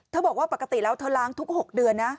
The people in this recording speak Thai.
บอกว่าปกติแล้วเธอล้างทุก๖เดือนนะ